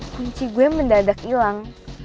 kunci gue mendadak hilang